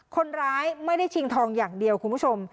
คนร้ายไม่ได้ชิงทองอย่างเดียวคุณผู้ชม